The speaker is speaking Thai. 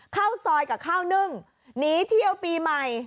ข้าวซอยกับข้าวนึ่งหนีเที่ยวปีใหม่